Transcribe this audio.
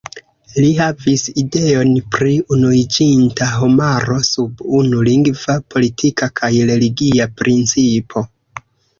Li havis ideon pri unuiĝinta homaro sub unu lingva, politika kaj religia principo.